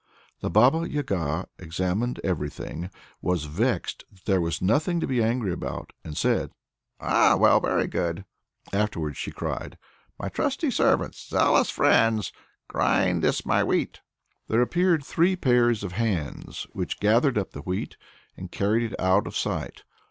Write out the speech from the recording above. The Baba Yaga examined everything, was vexed that there was nothing to be angry about, and said: "Well, well! very good!" Afterwards she cried: "My trusty servants, zealous friends, grind this my wheat!" There appeared three pairs of hands, which gathered up the wheat, and carried it out of sight.